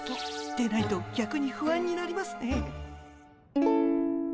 出ないとぎゃくに不安になりますね。